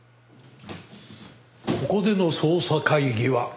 ここでの捜査会議は。